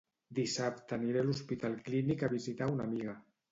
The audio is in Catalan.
Dissabte aniré a l'hospital clínic a visitar a una amiga